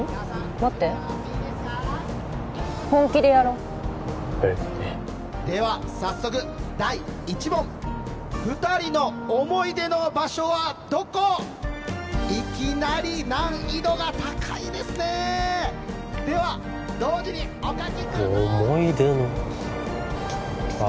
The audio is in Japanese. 待って本気でやろうえっでは早速第１問二人の思い出の場所はどこいきなり難易度が高いですねでは同時にお書きください！